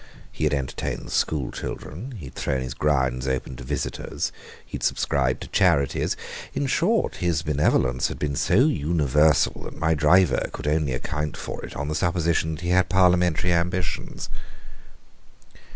He had entertained the school children, he had thrown his grounds open to visitors, he had subscribed to charities in short, his benevolence had been so universal that my driver could only account for it on the supposition that he had parliamentary ambitions.